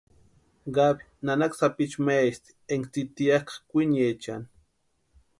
Gaby nanaka sapichu maesti énka tsitiakʼa kwiniechani.